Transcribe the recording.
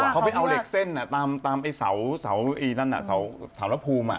เขาไปเอาเหล็กเส้นตามไอ้เสานั่นน่ะเสาระภูมิ